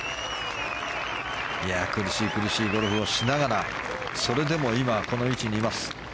苦しい苦しいゴルフをしながらそれでも今、この位置にいます。